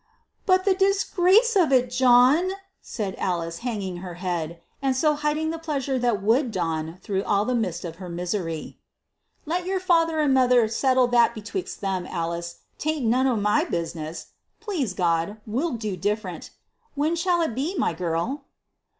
"But the disgrace of it, John!" said Alice, hanging her head, and so hiding the pleasure that would dawn through all the mist of her misery. "Let your father and mother settle that betwixt 'em, Alice. 'Tain't none o' my business. Please God, we'll do different. When shall it be, my girl?"